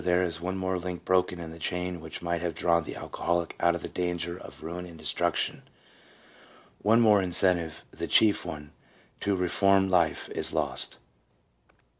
there is one more link broken in the chain which might have drawn the alcoholic out of the danger of ruin and destruction: one more incentive, the chief one, to a reformed life is lost.